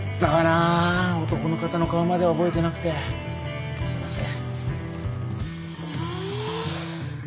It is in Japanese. あ男の方の顔までは覚えてなくてすいません。